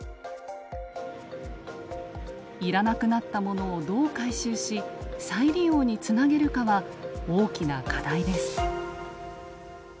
要らなくなったものをどう回収し再利用につなげるかは大きな課題です。